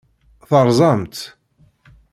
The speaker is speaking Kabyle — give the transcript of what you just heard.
Terẓam-tt?